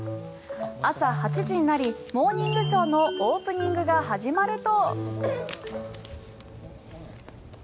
朝８時になり「モーニングショー」のオープニングが始まると。